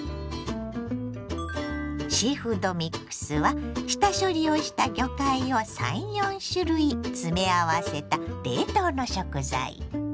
シーフードミックスは下処理をした魚介を３４種類詰め合わせた冷凍の食材。